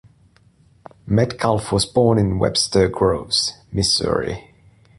Metcalf was born in Webster Groves, Missouri.